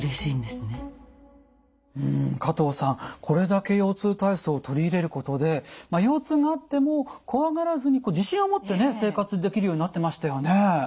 これだけ腰痛体操取り入れることで腰痛があっても怖がらずに自信を持って生活できるようになってましたよね。